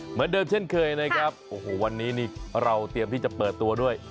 เหมือนเดิมเช่นเคยนะครับโอ้โหวันนี้นี่เราเตรียมที่จะเปิดตัวด้วย